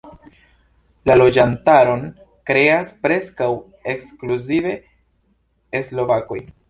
La loĝantaron kreas preskaŭ ekskluzive slovakoj.